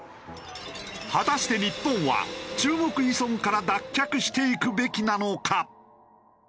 果たして日本は中国依存から脱却していくべきなのか？